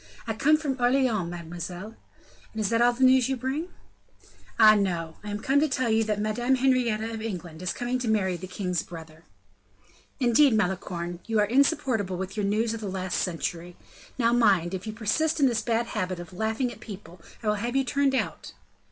"I come from Orleans, mademoiselle." "And is that all the news you bring?" "Ah, no; I am come to tell you that Madame Henrietta of England is coming to marry the king's brother." "Indeed, Malicorne, you are insupportable with your news of the last century. Now, mind, if you persist in this bad habit of laughing at people, I will have you turned out."